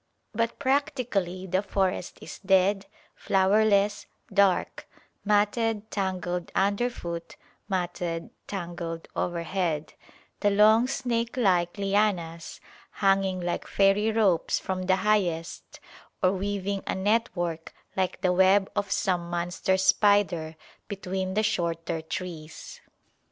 But practically the forest is dead, flowerless, dark; matted, tangled underfoot, matted, tangled overhead; the long snake like lianas hanging like fairy ropes from the highest, or weaving a network, like the web of some monster spider, between the shorter, trees.